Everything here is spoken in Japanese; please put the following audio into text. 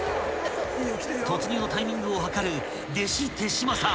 ［突入のタイミングを計る弟子手島さん］